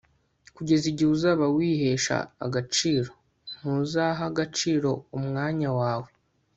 kugeza igihe uzaba wihesha agaciro, ntuzaha agaciro umwanya wawe